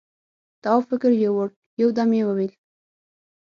تواب فکر يووړ، يو دم يې وويل: